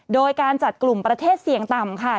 โดยการจัดกลุ่มประเทศเสี่ยงต่ำค่ะ